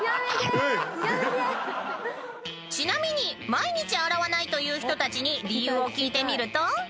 ［ちなみに毎日洗わないという人たちに理由を聞いてみると］